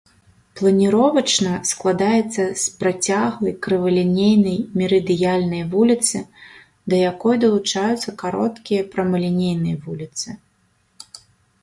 Планіровачна складаецца з працяглай крывалінейнай мерыдыянальнай вуліцы, да якой далучаюцца кароткія прамалінейныя вуліцы.